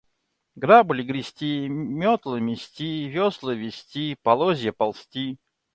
Грабли – грести, метла – мести, весла – везти, полозья – ползти.